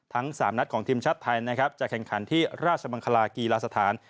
ทั้ง๓นัดของทีมชาติไทยจะแข่งขันที่ราชบังคลากีลาสถาน